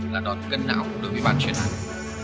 là đòn cân não đối với bạn truyền hành